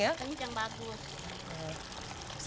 iya kencang bagus